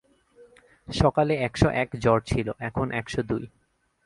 সকালে এক শ এক জ্বর ছিল, এখন এক শ দুই।